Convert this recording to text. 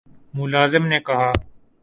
ملازم نے کہا